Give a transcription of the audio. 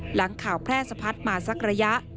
หลังข่าวแพร่สะพัดมาสักระยะ